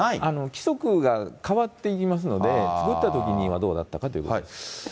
規則が変わっていきますので、作ったときにはどうだったかということです。